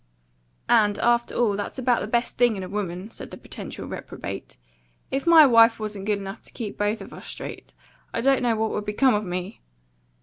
"And, after all, that's about the best thing in a woman," said the potential reprobate. "If my wife wasn't good enough to keep both of us straight, I don't know what would become of me."